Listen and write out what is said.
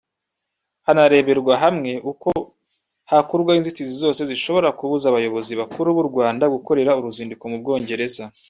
hanareberwa hamwe uko hakurwaho inzitizi zose zishobora kubuza abayobozi bakuru b’u Rwanda gukorera uruzinduko mu Bwongereza